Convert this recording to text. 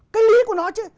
cái lý của nó chứ